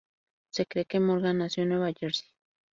Se cree que Morgan nació en Nueva Jersey.